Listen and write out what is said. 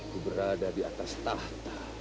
dia berada di atas tahta